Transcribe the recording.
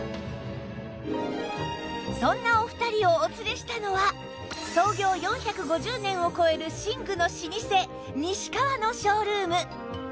そんなお二人をお連れしたのは創業４５０年を超える寝具の老舗西川のショールーム